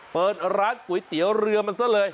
เปิดร้านก๋วยเตี๋ยวเรือมันซะเลย